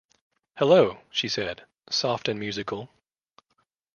“Hello!” she said, soft and musical.